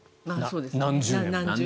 何十年も。